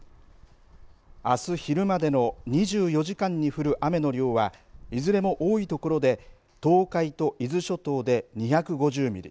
あす昼までの２４時間に降る雨の量はいずれも多いところで東海と伊豆諸島で２５０ミリ